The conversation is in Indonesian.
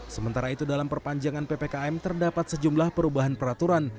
sementara itu dalam perpanjangan ppkm terdapat sejumlah perubahan peraturan